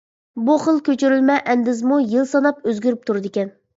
بۇ خىل كۆچۈرۈلمە ئەندىزىمۇ يىل ساناپ ئۆزگىرىپ تۇرىدىكەن.